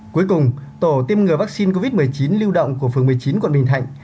cuối cùng tổ tiêm ngừa vaccine covid một mươi chín lưu động của phường một mươi chín quận bình thạnh